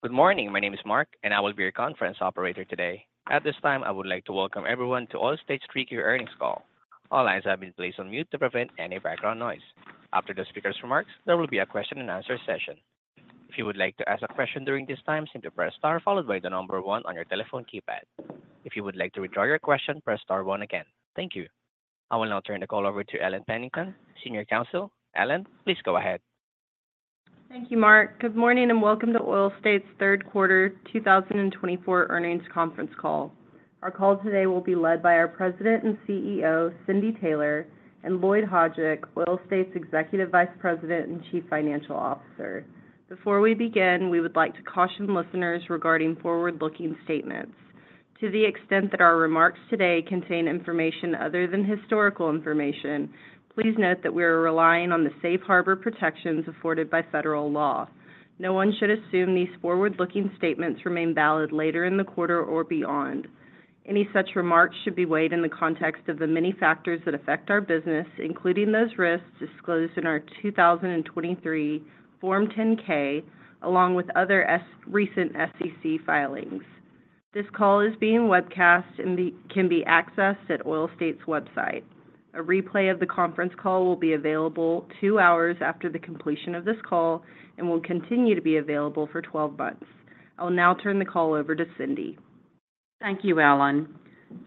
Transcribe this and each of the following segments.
Good morning. My name is Mark, and I will be your conference operator today. At this time, I would like to welcome everyone to the Oil States International third quarter earnings call. All lines have been placed on mute to prevent any background noise. After the speaker's remarks, there will be a question-and-answer session. If you would like to ask a question during this time, simply press star followed by the number one on your telephone keypad. If you would like to withdraw your question, press star one again. Thank you. I will now turn the call over to Ellen Pennington, Senior Counsel. Ellen, please go ahead. Thank you, Mark. Good morning and welcome to Oil States' third quarter 2024 earnings conference call. Our call today will be led by our President and CEO, Cindy Taylor, and Lloyd Hajdik, Oil States' Executive Vice President and Chief Financial Officer. Before we begin, we would like to caution listeners regarding forward-looking statements. To the extent that our remarks today contain information other than historical information, please note that we are relying on the safe harbor protections afforded by federal law. No one should assume these forward-looking statements remain valid later in the quarter or beyond. Any such remarks should be weighed in the context of the many factors that affect our business, including those risks disclosed in our 2023 Form 10-K, along with other recent SEC filings. This call is being webcast and can be accessed at Oil States' website. A replay of the conference call will be available 2 hours after the completion of this call and will continue to be available for 12 months. I will now turn the call over to Cindy. Thank you, Ellen.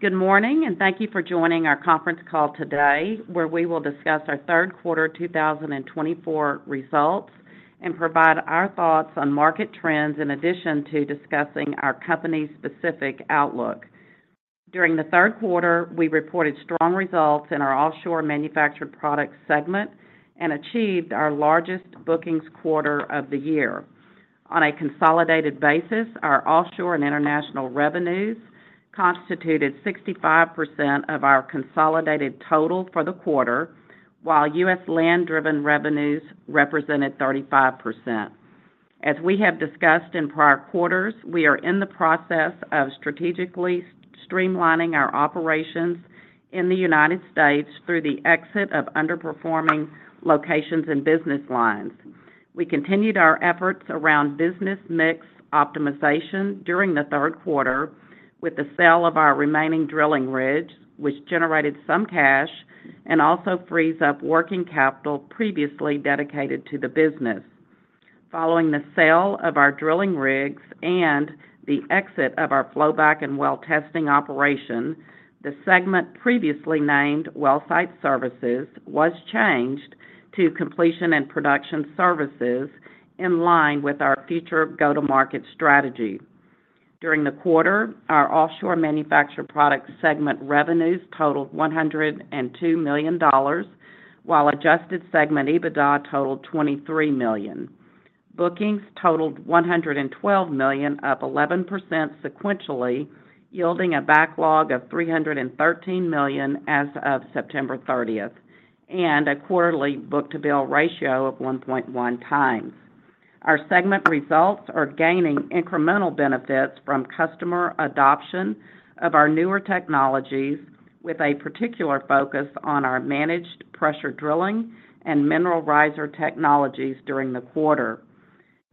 Good morning, and thank you for joining our conference call today, where we will discuss our third quarter 2024 results and provide our thoughts on market trends in addition to discussing our company-specific outlook. During the third quarter, we reported strong results in our offshore manufactured products segment and achieved our largest bookings quarter of the year. On a consolidated basis, our offshore and international revenues constituted 65% of our consolidated total for the quarter, while U.S. land-driven revenues represented 35%. As we have discussed in prior quarters, we are in the process of strategically streamlining our operations in the United States through the exit of underperforming locations and business lines. We continued our efforts around business mix optimization during the third quarter with the sale of our remaining drilling rigs, which generated some cash and also frees up working capital previously dedicated to the business. Following the sale of our drilling rigs and the exit of our flowback and well testing operation, the segment previously named Wellsite Services was changed to Completion and Production Services in line with our future go-to-market strategy. During the quarter, our Offshore Manufactured Products segment revenues totaled $102 million, while adjusted segment EBITDA totaled $23 million. Bookings totaled $112 million, up 11% sequentially, yielding a backlog of $313 million as of 30th September and a quarterly book-to-bill ratio of 1.1X. Our segment results are gaining incremental benefits from customer adoption of our newer technologies, with a particular focus on our managed pressure drilling and Mineral Riser technologies during the quarter.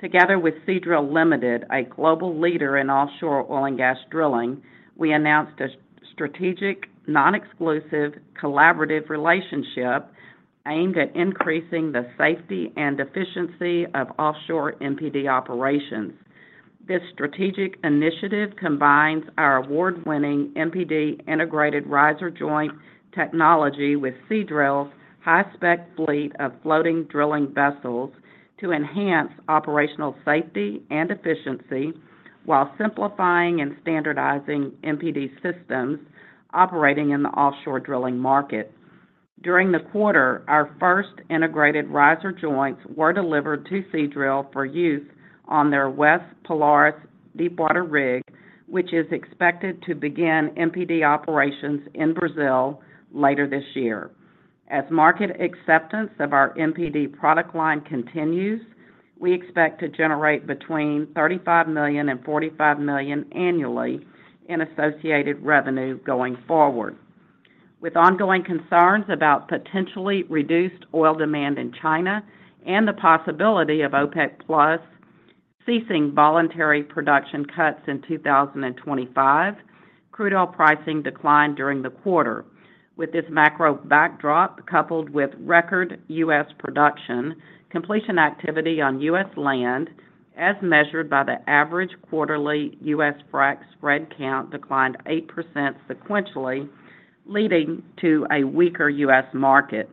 Together with Seadrill Limited, a global leader in offshore oil and gas drilling, we announced a strategic, non-exclusive, collaborative relationship aimed at increasing the safety and efficiency of offshore MPD operations. This strategic initiative combines our award-winning MPD Integrated Riser Joint technology with Seadrill's high-spec fleet of floating drilling vessels to enhance operational safety and efficiency while simplifying and standardizing MPD systems operating in the offshore drilling market. During the quarter, our first Integrated Riser Joints were delivered to Seadrill for use on their West Polaris deepwater rig, which is expected to begin MPD operations in Brazil later this year. As market acceptance of our MPD product line continues, we expect to generate between $35-45 million annually in associated revenue going forward. With ongoing concerns about potentially reduced oil demand in China and the possibility of OPEC+ ceasing voluntary production cuts in 2025, crude oil pricing declined during the quarter. With this macro backdrop, coupled with record U.S. production, completion activity on U.S. land, as measured by the average quarterly U.S. Frac spread count declined 8% sequentially, leading to a weaker U.S. market.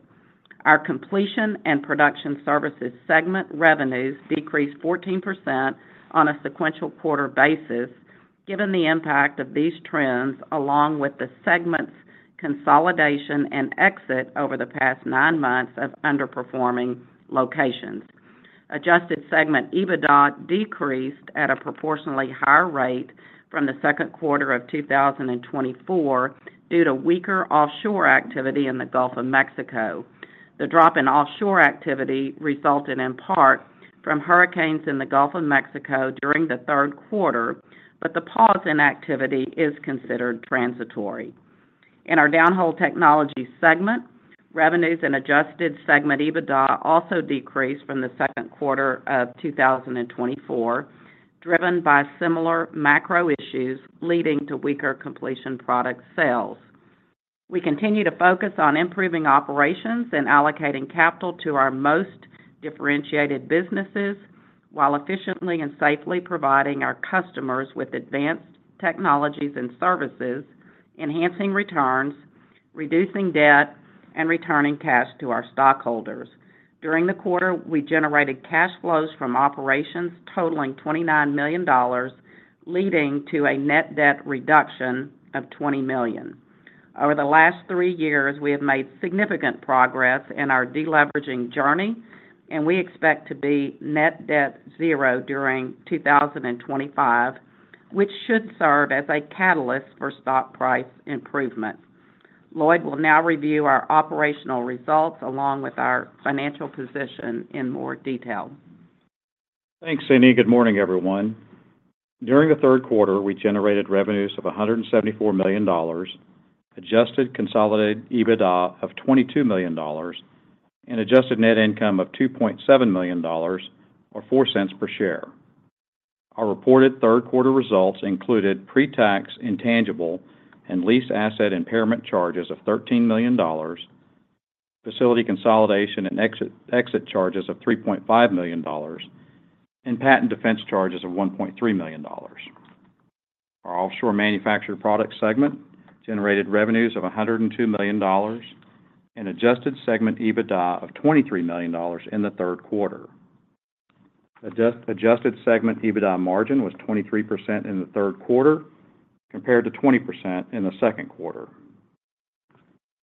Our Completion and Production Services segment revenues decreased 14% on a sequential quarter basis, given the impact of these trends along with the segment's consolidation and exit over the past nine months of underperforming locations. Adjusted Segment EBITDA decreased at a proportionally higher rate from the second quarter of 2024 due to weaker offshore activity in the Gulf of Mexico. The drop in offshore activity resulted in part from hurricanes in the Gulf of Mexico during the third quarter, but the pause in activity is considered transitory. In our Downhole Technologies segment, revenues and Adjusted Segment EBITDA also decreased from the second quarter of 2024, driven by similar macro issues leading to weaker completion product sales. We continue to focus on improving operations and allocating capital to our most differentiated businesses while efficiently and safely providing our customers with advanced technologies and services, enhancing returns, reducing debt, and returning cash to our stockholders. During the quarter, we generated cash flows from operations totaling $29 million, leading to a net debt reduction of $20 million. Over the last 3 years, we have made significant progress in our deleveraging journey, and we expect to be net debt zero during 2025, which should serve as a catalyst for stock price improvement. Lloyd will now review our operational results along with our financial position in more detail. Thanks, Cindy. Good morning, everyone. During the third quarter, we generated revenues of $174 million, adjusted consolidated EBITDA of $22 million, and adjusted net income of $2.7 million, or $0.04 per share. Our reported third quarter results included pre-tax intangible and lease asset impairment charges of $13 million, facility consolidation and exit charges of $3.5 million, and patent defense charges of $1.3 million. Our Offshore Manufactured Products segment generated revenues of $102 million, and adjusted segment EBITDA of $23 million in the third quarter. Adjusted segment EBITDA margin was 23% in the third quarter compared to 20% in the second quarter.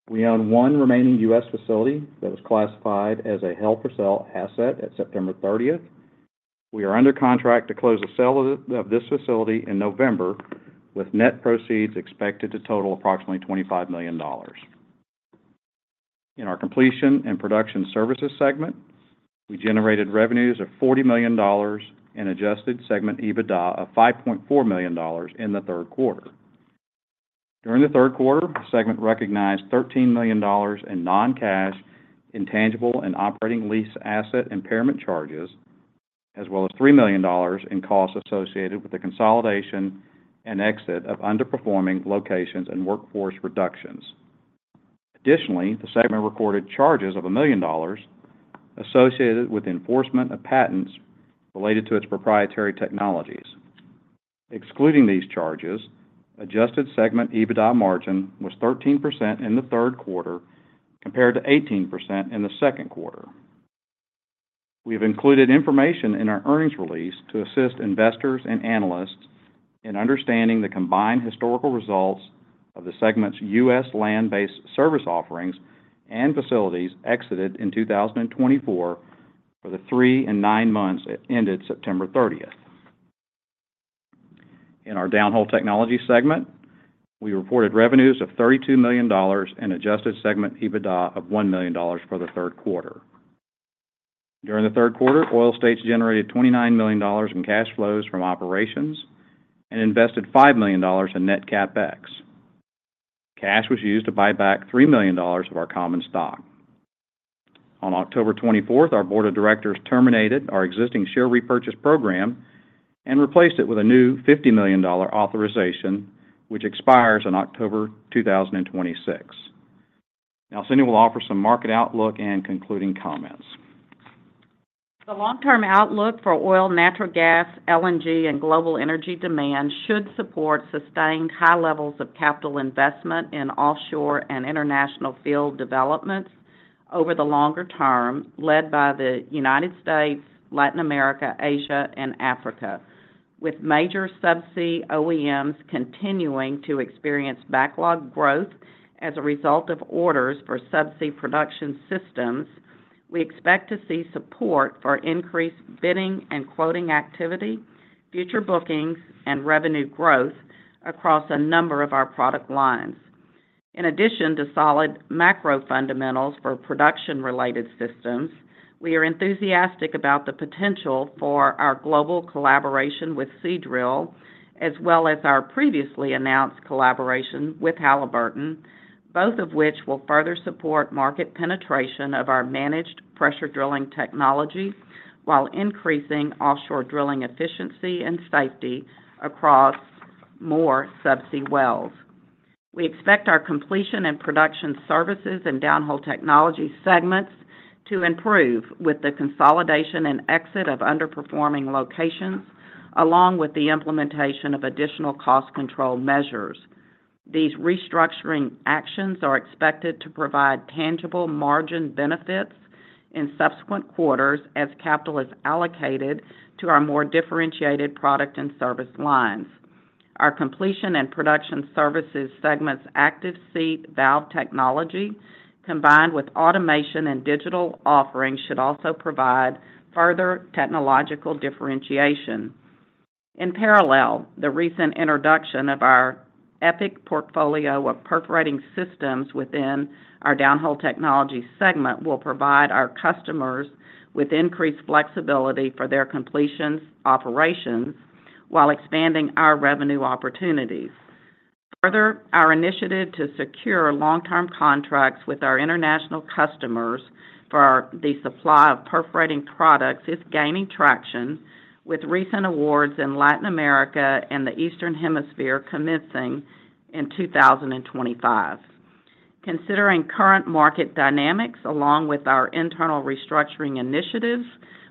We own one remaining U.S. facility that was classified as a held-for-sale asset at September 30th. We are under contract to close the sale of this facility in November, with net proceeds expected to total approximately $25 million. In our completion and production services segment, we generated revenues of $40 million and adjusted segment EBITDA of $5.4 million in the third quarter. During the third quarter, the segment recognized $13 million in non-cash intangible and operating lease asset impairment charges, as well as $3 million in costs associated with the consolidation and exit of underperforming locations and workforce reductions. Additionally, the segment recorded charges of $1 million associated with enforcement of patents related to its proprietary technologies. Excluding these charges, adjusted segment EBITDA margin was 13% in the third quarter compared to 18% in the second quarter. We have included information in our earnings release to assist investors and analysts in understanding the combined historical results of the segment's U.S. land-based service offerings and facilities exited in 2024 for the 3 and nine months that ended 30th September. In our Downhole Technology segment, we reported revenues of $32 million and adjusted segment EBITDA of $1 million for the third quarter. During the third quarter, Oil States generated $29 million in cash flows from operations and invested $5 million in net CapEx. Cash was used to buy back $3 million of our common stock. On October 24th, our board of directors terminated our existing share repurchase program and replaced it with a new $50 million authorization, which expires in October 2026. Now, Cindy will offer some market outlook and concluding comments. The long-term outlook for oil, natural gas, LNG, and global energy demand should support sustained high levels of capital investment in offshore and international field developments over the longer term, led by the United States, Latin America, Asia, and Africa, with major subsea OEMs continuing to experience backlog growth as a result of orders for subsea production systems. We expect to see support for increased bidding and quoting activity, future bookings, and revenue growth across a number of our product lines. In addition to solid macro fundamentals for production-related systems, we are enthusiastic about the potential for our global collaboration with Seadrill, as well as our previously announced collaboration with Halliburton, both of which will further support market penetration of our managed pressure drilling technology while increasing offshore drilling efficiency and safety across more subsea wells. We expect our Completion and Production Services and Downhole Technologies segments to improve with the consolidation and exit of underperforming locations, along with the implementation of additional cost control measures. These restructuring actions are expected to provide tangible margin benefits in subsequent quarters as capital is allocated to our more differentiated product and service lines. Our Completion and Production Services segment's Active Seat Valve technology, combined with automation and digital offering, should also provide further technological differentiation. In parallel, the recent introduction of our EPIC portfolio of perforating systems within our Downhole Technologies segment will provide our customers with increased flexibility for their completion operations while expanding our revenue opportunities. Further, our initiative to secure long-term contracts with our international customers for the supply of perforating products is gaining traction, with recent awards in Latin America and the Eastern Hemisphere commencing in 2025. Considering current market dynamics along with our internal restructuring initiatives,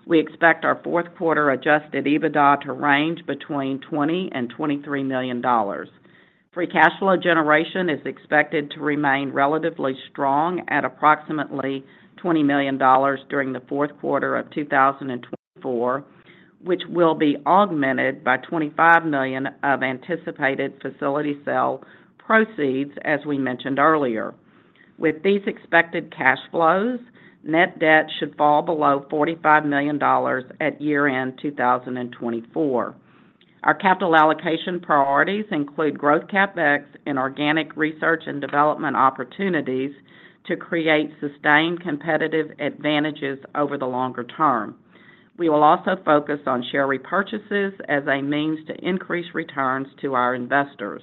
we expect our fourth quarter Adjusted EBITDA to range between $20 and 23 million. Free cash flow generation is expected to remain relatively strong at approximately $20 million during the fourth quarter of 2024, which will be augmented by $25 million of anticipated facility sale proceeds, as we mentioned earlier. With these expected cash flows, net debt should fall below $45 million at year-end 2024. Our capital allocation priorities include growth CapEx and organic research and development opportunities to create sustained competitive advantages over the longer term. We will also focus on share repurchases as a means to increase returns to our investors.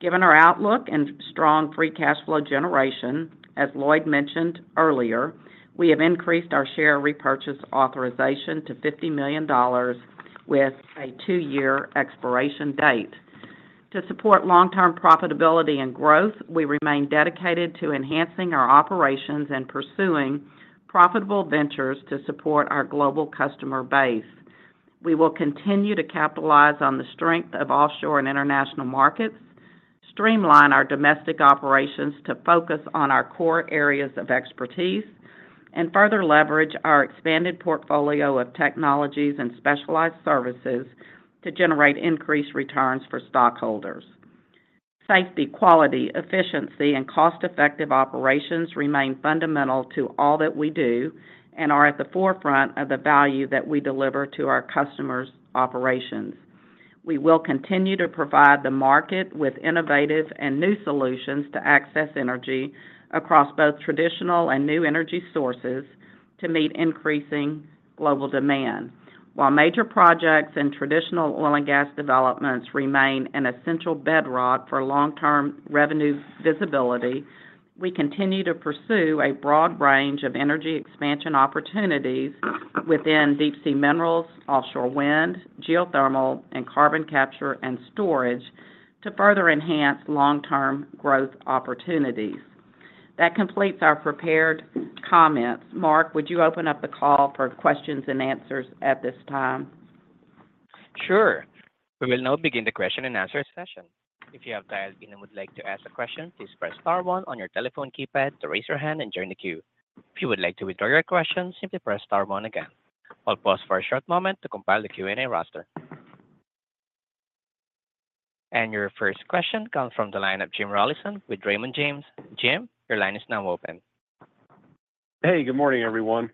Given our outlook and strong free cash flow generation, as Lloyd mentioned earlier, we have increased our share repurchase authorization to $50 million with a 2-year expiration date. To support long-term profitability and growth, we remain dedicated to enhancing our operations and pursuing profitable ventures to support our global customer base. We will continue to capitalize on the strength of offshore and international markets, streamline our domestic operations to focus on our core areas of expertise, and further leverage our expanded portfolio of technologies and specialized services to generate increased returns for stockholders. Safety, quality, efficiency, and cost-effective operations remain fundamental to all that we do and are at the forefront of the value that we deliver to our customers' operations. We will continue to provide the market with innovative and new solutions to access energy across both traditional and new energy sources to meet increasing global demand. While major projects and traditional oil and gas developments remain an essential bedrock for long-term revenue visibility, we continue to pursue a broad range of energy expansion opportunities within deep-sea minerals, offshore wind, geothermal, and carbon capture and storage to further enhance long-term growth opportunities. That completes our prepared comments. Mark, would you open up the call for questions and answers at this time? Sure. We will now begin the question and answer session. If you have dialed in and would like to ask a question, please press star one on your telephone keypad to raise your hand and join the queue. If you would like to withdraw your question, simply press star one again. I'll pause for a short moment to compile the Q&A roster. And your first question comes from the line of Jim Rollyson with Raymond James. Jim, your line is now open. Hey, good morning, everyone.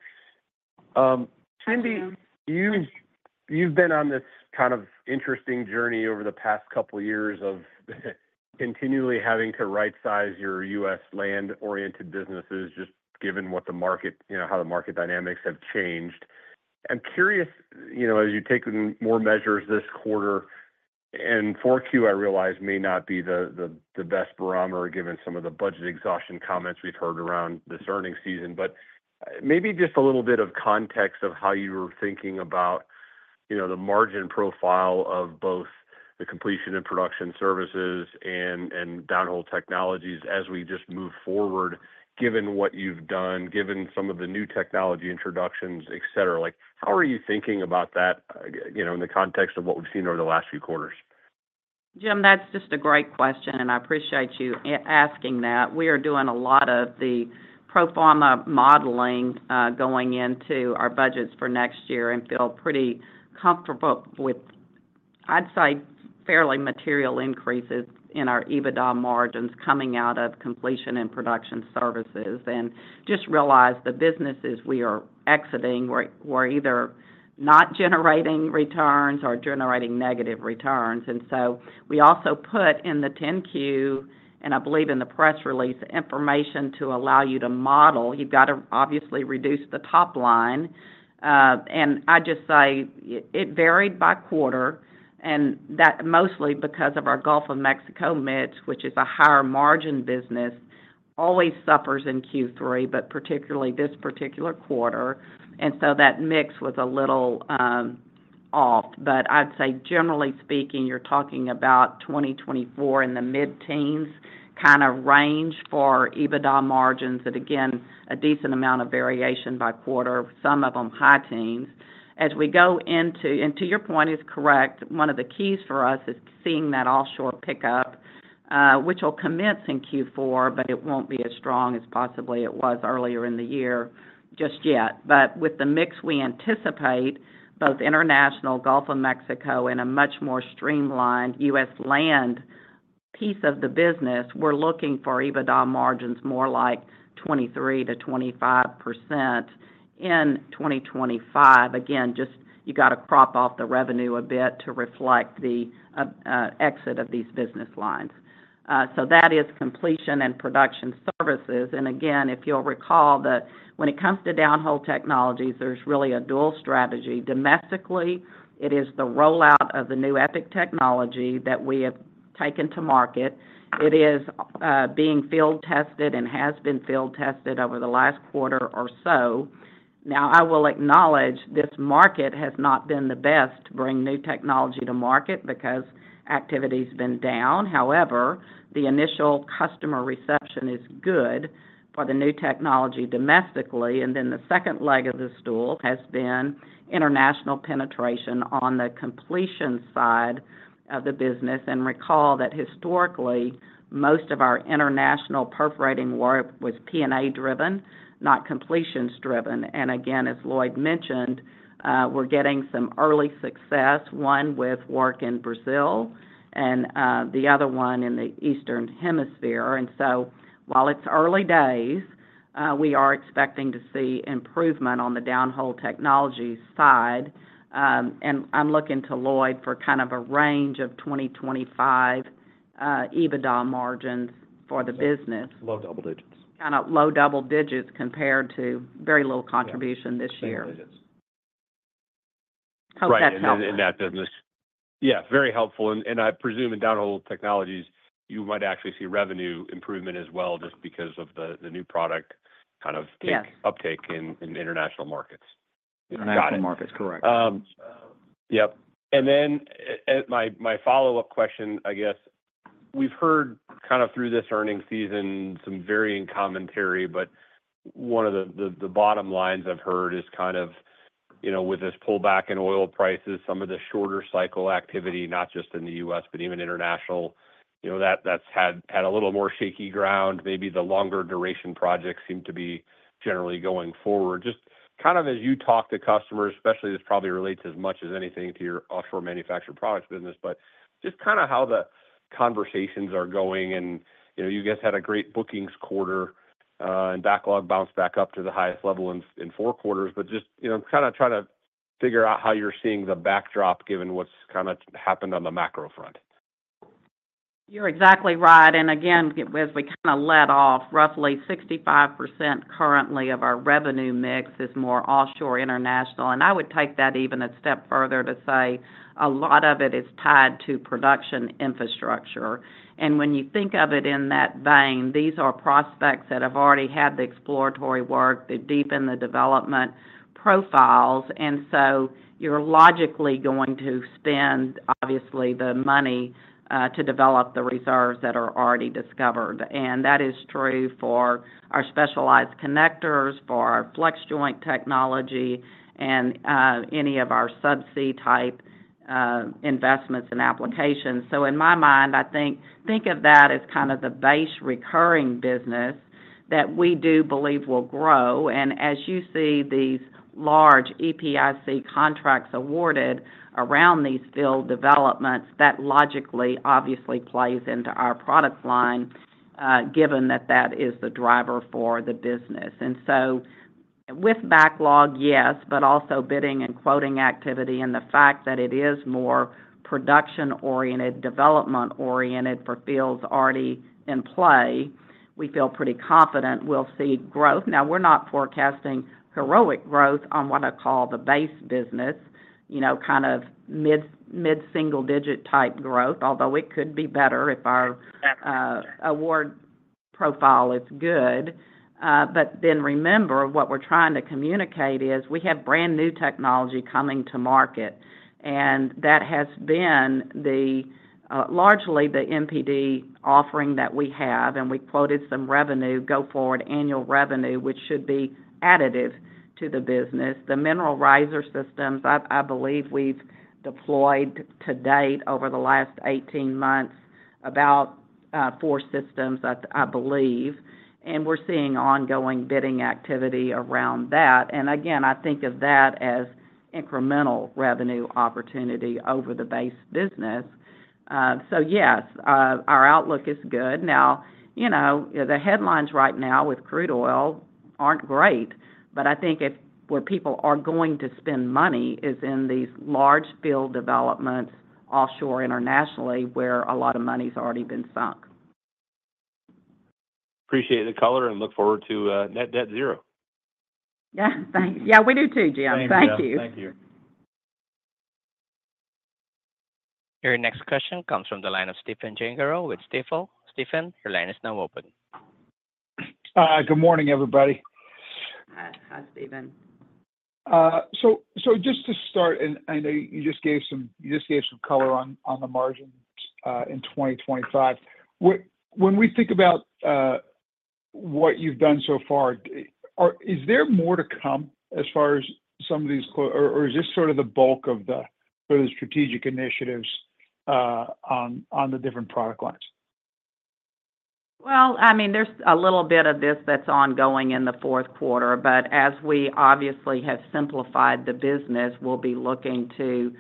Cindy, you've been on this kind of interesting journey over the past couple of years of continually having to right-size your U.S. land-oriented businesses, just given how the market dynamics have changed. I'm curious, as you're taking more measures this quarter, and 4Q, I realize may not be the best barometer given some of the budget exhaustion comments we've heard around this earnings season, but maybe just a little bit of context of how you were thinking about the margin profile of both the completion and production services and downhole technologies as we just move forward, given what you've done, given some of the new technology introductions, etc. How are you thinking about that in the context of what we've seen over the last few quarters? Jim, that's just a great question, and I appreciate you asking that. We are doing a lot of the pro forma modeling going into our budgets for next year and feel pretty comfortable with, I'd say, fairly material increases in our EBITDA margins coming out of Completion and Production Services. And just realize the businesses we are exiting, we're either not generating returns or generating negative returns. And so we also put in the 10-Q, and I believe in the press release, information to allow you to model. You've got to obviously reduce the top line. And I just say it varied by quarter, and that's mostly because of our Gulf of Mexico mix, which is a higher margin business, always suffers in Q3, but particularly this particular quarter. And so that mix was a little off. But I'd say, generally speaking, you're talking about 2024 in the mid-teens kind of range for EBITDA margins, and again, a decent amount of variation by quarter, some of them high teens. As we go into, and to your point is correct, one of the keys for us is seeing that offshore pickup, which will commence in Q4, but it won't be as strong as possibly it was earlier in the year just yet. But with the mix we anticipate, both international, Gulf of Mexico, and a much more streamlined U.S. land piece of the business, we're looking for EBITDA margins more like 23%-25 in 2025. Again, just you got to crop off the revenue a bit to reflect the exit of these business lines. So that is Completion and Production Services. Again, if you'll recall that when it comes to downhole technologies, there's really a dual strategy. Domestically, it is the rollout of the new EPIC technology that we have taken to market. It is being field tested and has been field tested over the last quarter or so. Now, I will acknowledge this market has not been the best to bring new technology to market because activity has been down. However, the initial customer reception is good for the new technology domestically. Then the second leg of the stool has been international penetration on the completion side of the business. Recall that historically, most of our international perforating work was P&A driven, not completions driven. Again, as Lloyd mentioned, we're getting some early success, one with work in Brazil and the other one in the Eastern Hemisphere. While it's early days, we are expecting to see improvement on the Downhole Technology side. I'm looking to Lloyd for kind of a range of 2025 EBITDA margins for the business. Low double digits. Kind of low double digits compared to very little contribution this year. Right. And that business. Yeah, very helpful. And I presume in Downhole Technologies, you might actually see revenue improvement as well just because of the new product kind of uptake in international markets. International markets, correct. Yep, and then my follow-up question, I guess, we've heard kind of through this earnings season some varying commentary, but one of the bottom lines I've heard is kind of with this pullback in oil prices, some of the shorter cycle activity, not just in the U.S., but even international, that's had a little more shaky ground. Maybe the longer duration projects seem to be generally going forward. Just kind of as you talk to customers, especially this probably relates as much as anything to your offshore manufactured products business, but just kind of how the conversations are going, and you guys had a great bookings quarter and backlog bounced back up to the highest level in 4 quarters, but just kind of trying to figure out how you're seeing the backdrop given what's kind of happened on the macro front? You're exactly right. And again, as we kind of led off, roughly 65% currently of our revenue mix is more offshore international. And I would take that even a step further to say a lot of it is tied to production infrastructure. And when you think of it in that vein, these are prospects that have already had the exploratory work, the deep in the development profiles. And so you're logically going to spend, obviously, the money to develop the reserves that are already discovered. And that is true for our specialized connectors, for our flex joint technology, and any of our subsea type investments and applications. So in my mind, I think of that as kind of the base recurring business that we do believe will grow. And as you see these large EPIC contracts awarded around these field developments, that logically, obviously, plays into our product line, given that that is the driver for the business. And so with backlog, yes, but also bidding and quoting activity and the fact that it is more production-oriented, development-oriented for fields already in play, we feel pretty confident we'll see growth. Now, we're not forecasting heroic growth on what I call the base business, kind of mid-single digit type growth, although it could be better if our award profile is good. But then remember, what we're trying to communicate is we have brand new technology coming to market. And that has been largely the MPD offering that we have. And we quoted some revenue, go forward annual revenue, which should be additive to the business. The Mineral Riser Systems, I believe we've deployed to date over the last 18 months, about 4 systems, I believe. And we're seeing ongoing bidding activity around that. And again, I think of that as incremental revenue opportunity over the base business. So yes, our outlook is good. Now, the headlines right now with crude oil aren't great, but I think where people are going to spend money is in these large field developments offshore internationally where a lot of money's already been sunk. Appreciate the color and look forward to net debt zero. Yeah, thanks. Yeah, we do too, Jim. Thank you. Thank you. Your next question comes from the line of Stephen Gengaro with Stifel. Stephen, your line is now open. Good morning, everybody. Hi, Steven. So just to start, I know you just gave some color on the margins in 2025. When we think about what you've done so far, is there more to come as far as some of these, or is this sort of the bulk of the strategic initiatives on the different product lines? I mean, there's a little bit of this that's ongoing in the fourth quarter, but as we obviously have simplified the business, we'll be looking to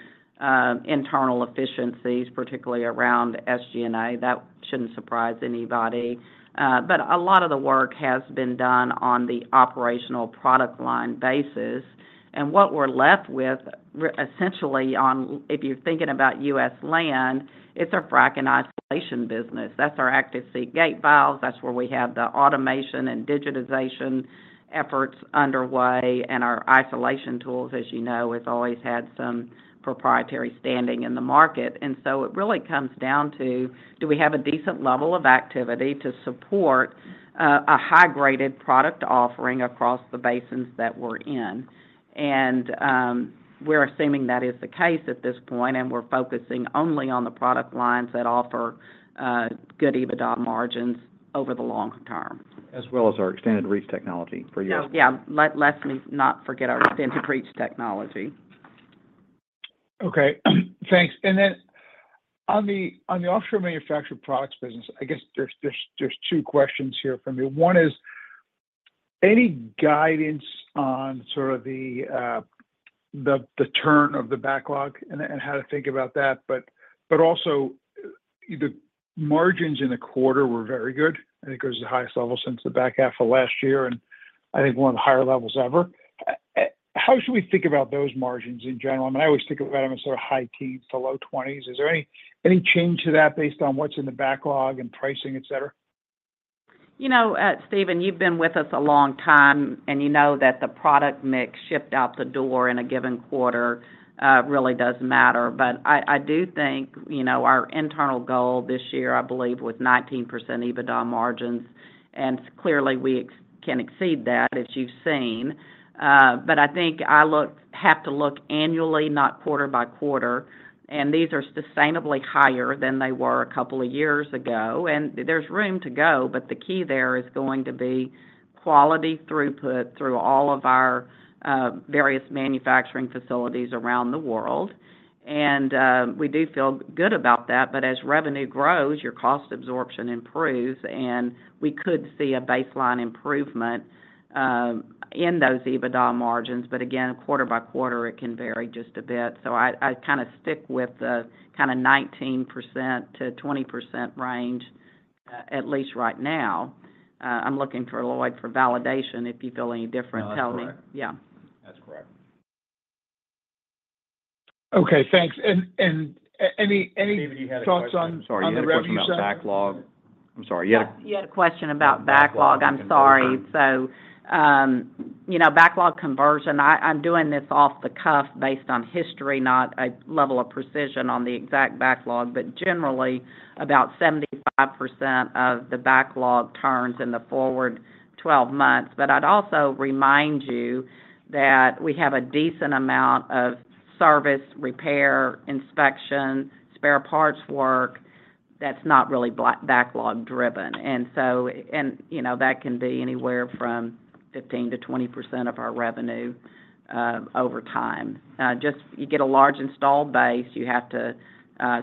internal efficiencies, particularly around SG&A. That shouldn't surprise anybody. But a lot of the work has been done on the operational product line basis. And what we're left with, essentially, if you're thinking about U.S. land, it's our frac and isolation business. That's our Active Seat Gate Valves. That's where we have the automation and digitization efforts underway. And our Isolation Tools, as you know, have always had some proprietary standing in the market. And so it really comes down to, do we have a decent level of activity to support a high-graded product offering across the basins that we're in? We're assuming that is the case at this point, and we're focusing only on the product lines that offer good EBITDA margins over the long term. As well as our Extended Reach Technology for U.S. Yeah, let's not forget our Extended Reach Technology. Okay. Thanks. And then on the Offshore Manufactured Products business, I guess there's 2 questions here for me. One is, any guidance on sort of the turn of the backlog and how to think about that? But also, the margins in the quarter were very good. I think it was the highest level since the back half of last year, and I think one of the higher levels ever. How should we think about those margins in general? I mean, I always think about them as sort of high teens to low 20s. Is there any change to that based on what's in the backlog and pricing, etc.? You know, Stephen, you've been with us a long time, and you know that the product mix shipped out the door in a given quarter really does matter, but I do think our internal goal this year, I believe, was 19% EBITDA margins, and clearly, we can exceed that, as you've seen. But I think I have to look annually, not quarter by quarter, and these are sustainably higher than they were a couple of years ago, and there's room to go, but the key there is going to be quality throughput through all of our various manufacturing facilities around the world. And we do feel good about that, but as revenue grows, your cost absorption improves, and we could see a baseline improvement in those EBITDA margins. But again, quarter by quarter, it can vary just a bit. So I kind of stick with the kind of 19%-20 range, at least right now. I'm looking for Lloyd for validation. If you feel any different, tell me. That's correct. Okay. Thanks. And any. Stephen, you had a question on the revenue side? I'm sorry. You had a question on backlog. You had a question about backlog. I'm sorry. So backlog conversion, I'm doing this off the cuff based on history, not a level of precision on the exact backlog, but generally about 75% of the backlog turns in the forward 12 months. But I'd also remind you that we have a decent amount of service, repair, inspection, spare parts work that's not really backlog driven. And so that can be anywhere from 15%-20 of our revenue over time. Just you get a large install base, you have to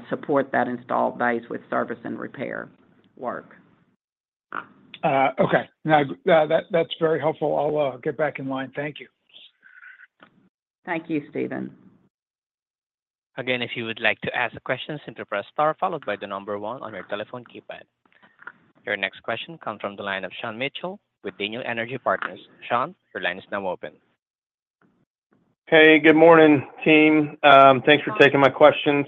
support that install base with service and repair work. Okay. Now, that's very helpful. I'll get back in line. Thank you. Thank you, Stephen. Again, if you would like to ask a question, simply press star, followed by the number one on your telephone keypad. Your next question comes from the line of Sean Mitchell with Daniel Energy Partners. Sean, your line is now open. Hey, good morning, team. Thanks for taking my questions.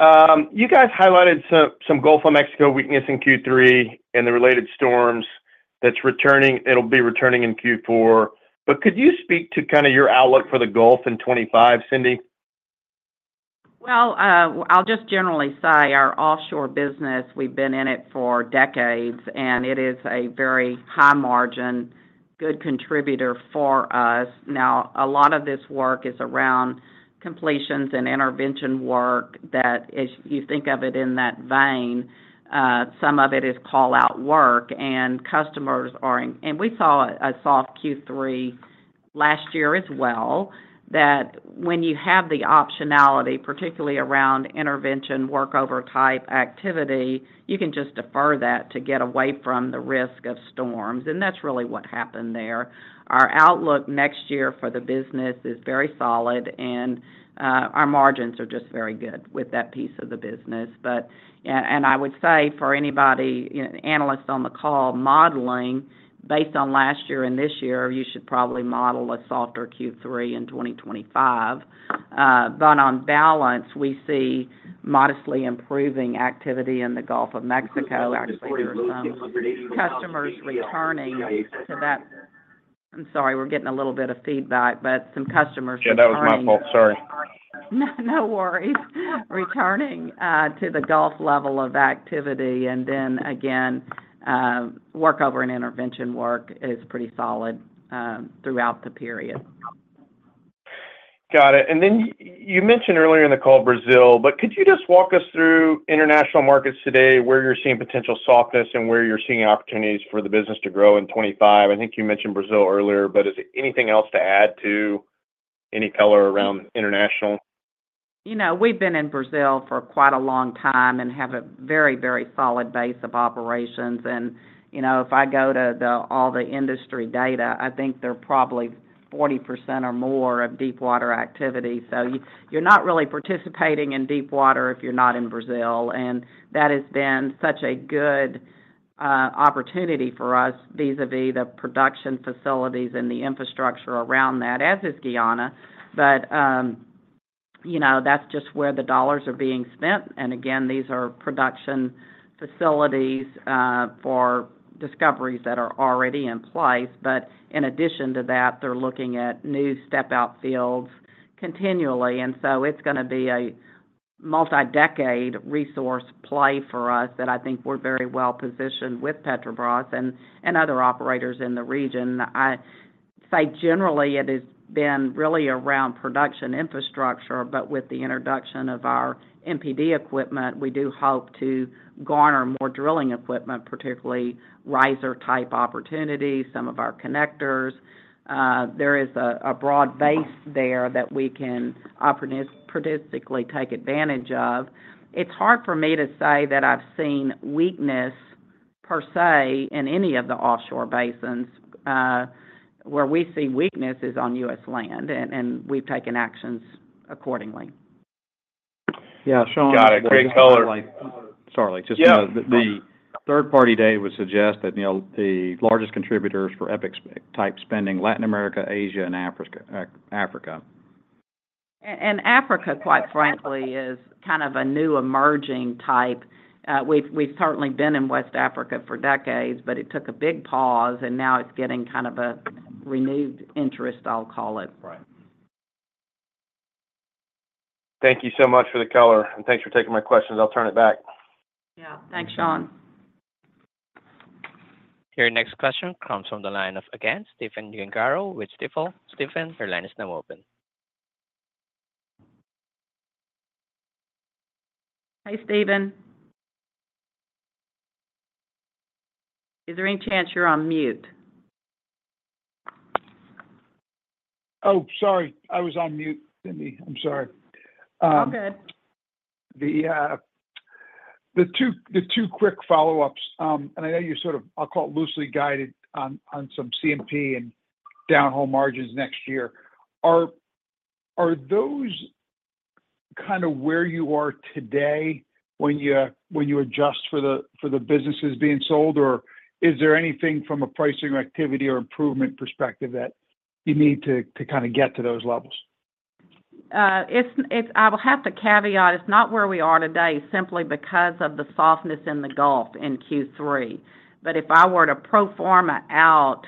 You guys highlighted some Gulf of Mexico weakness in Q3 and the related storms. That's returning. It'll be returning in Q4. But could you speak to kind of your outlook for the Gulf in 2025, Cindy? I'll just generally say our offshore business, we've been in it for decades, and it is a very high margin, good contributor for us. Now, a lot of this work is around completions and intervention work that, as you think of it in that vein, some of it is callout work. And customers are in, and we saw a soft Q3 last year as well, that when you have the optionality, particularly around intervention, workover type activity, you can just defer that to get away from the risk of storms. And that's really what happened there. Our outlook next year for the business is very solid, and our margins are just very good with that piece of the business. And I would say for anybody, analysts on the call, modeling based on last year and this year, you should probably model a softer Q3 in 2025. But on balance, we see modestly improving activity in the Gulf of Mexico, actually customers returning to that. I'm sorry, we're getting a little bit of feedback, but some customers. Yeah, that was my fault. Sorry. No worries. Returning to the Gulf level of activity. And then again, workover and intervention work is pretty solid throughout the period. Got it, and then you mentioned earlier in the call Brazil, but could you just walk us through international markets today, where you're seeing potential softness and where you're seeing opportunities for the business to grow in 2025? I think you mentioned Brazil earlier, but is there anything else to add to any color around international? We've been in Brazil for quite a long time and have a very, very solid base of operations, and if I go to all the industry data, I think they're probably 40% or more of deepwater activity, so you're not really participating in deepwater if you're not in Brazil, and that has been such a good opportunity for us vis-à-vis the production facilities and the infrastructure around that, as is Guyana, but that's just where the dollars are being spent, and again, these are production facilities for discoveries that are already in place, but in addition to that, they're looking at new step-out fields continually, and so it's going to be a multi-decade resource play for us that I think we're very well positioned with Petrobras and other operators in the region. I say generally it has been really around production infrastructure, but with the introduction of our MPD equipment, we do hope to garner more drilling equipment, particularly riser-type opportunities, some of our connectors. There is a broad base there that we can strategically take advantage of. It's hard for me to say that I've seen weakness per se in any of the offshore basins. Where we see weakness is on U.S. land, and we've taken actions accordingly. Yeah, Sean. Got it. Great color. Sorry. Just the third-party data would suggest that the largest contributors for EPIC type spending, Latin America, Asia, and Africa. Africa, quite frankly, is kind of a new emerging type. We've certainly been in West Africa for decades, but it took a big pause, and now it's getting kind of a renewed interest, I'll call it. Right. Thank you so much for the color, and thanks for taking my questions. I'll turn it back. Yeah. Thanks, Sean. Your next question comes from the line of again, Stephen Gengaro with Stifel. Stephen, your line is now open. Hey, Stephen. Is there any chance you're on mute? Oh, sorry. I was on mute, Cindy. I'm sorry. All good. The 2 quick follow-ups, and I know you sort of, I'll call it loosely guided on some CMP and downhole margins next year. Are those kind of where you are today when you adjust for the businesses being sold, or is there anything from a pricing activity or improvement perspective that you need to kind of get to those levels? I will have to caveat. It's not where we are today simply because of the softness in the Gulf in Q3. But if I were to pro-forma out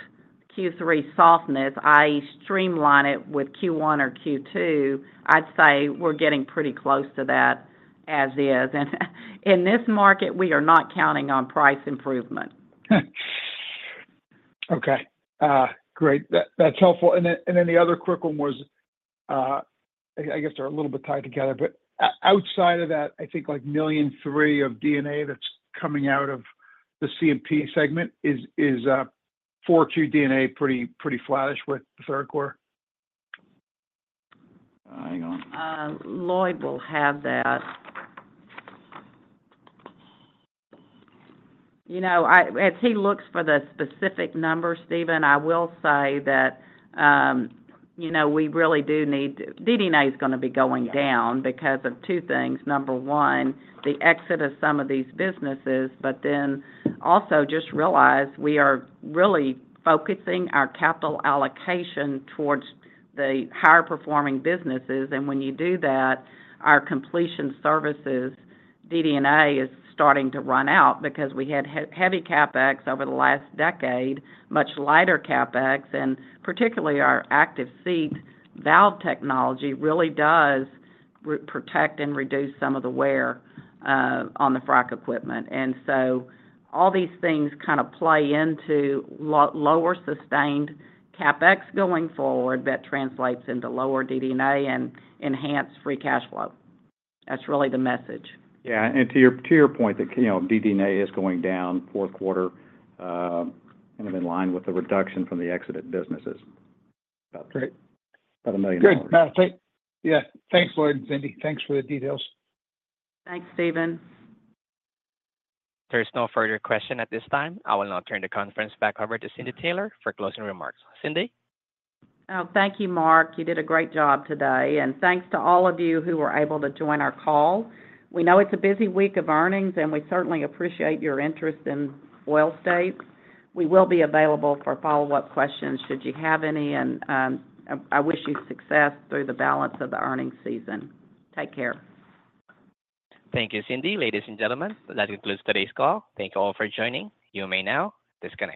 Q3 softness, i.e., streamline it with Q1 or Q2, I'd say we're getting pretty close to that as is. And in this market, we are not counting on price improvement. Okay. Great. That's helpful. And then the other quick one was, I guess they're a little bit tied together, but outside of that, I think like $1.3 million of DD&A that's coming out of the CPS segment, is 4Q DD&A pretty flattish with the third quarter? Lloyd will have that. As he looks for the specific numbers, Stephen, I will say that we really do, DD&A is going to be going down because of 2 things. Number one, the exit of some of these businesses, but then also just realize we are really focusing our capital allocation towards the higher performing businesses. And when you do that, our completion services, DD&A is starting to run out because we had heavy CapEx over the last decade, much lighter CapEx, and particularly our Active Seat Gate Valve technology really does protect and reduce some of the wear on the frac equipment. And so all these things kind of play into lower sustained CapEx going forward that translates into lower DD&A and enhanced free cash flow. That's really the message. Yeah. And to your point, that DD&A is going down fourth quarter kind of in line with the reduction from the exited businesses. Great. About $1 million. Yeah. Thanks, Lloyd and Cindy. Thanks for the details. Thanks, Steven. There is no further question at this time. I will now turn the conference back over to Cindy Taylor for closing remarks. Cindy? Thank you, Mark. You did a great job today. And thanks to all of you who were able to join our call. We know it's a busy week of earnings, and we certainly appreciate your interest in Oil States. We will be available for follow-up questions should you have any. And I wish you success through the balance of the earnings season. Take care. Thank you, Cindy. Ladies and gentlemen, that concludes today's call. Thank you all for joining. You may now disconnect.